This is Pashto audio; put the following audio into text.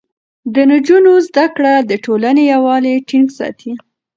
د نجونو زده کړه د ټولنې يووالی ټينګ ساتي.